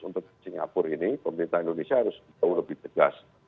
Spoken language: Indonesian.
untuk singapura ini pemerintah indonesia harus jauh lebih tegas